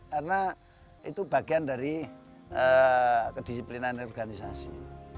karena itu bagian dari kedisiplinan organisasi